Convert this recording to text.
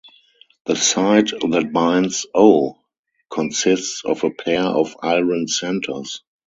The site that binds O consists of a pair of iron centres.